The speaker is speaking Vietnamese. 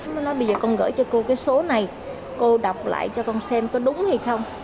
nó nói bây giờ con gửi cho cô cái số này cô đọc lại cho con xem có đúng hay không